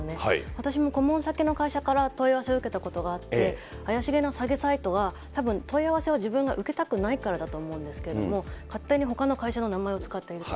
私も顧問先の会社から問い合わせを受けたことがあって、怪しげな詐欺サイトは、たぶん、問い合わせを受けたくないからだと思うんですけれども、勝手にほかの会社の名前を使っていると。